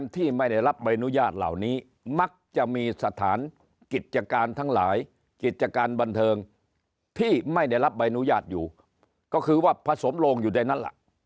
ที่ไม่ได้รับใบอนุญาตอยู่ก็คือว่าผสมโลงอยู่ในนั้นล่ะ